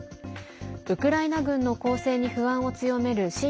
ウクライナ軍の攻勢に不安を強める親